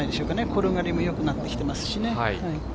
転がりも良くなってますしね。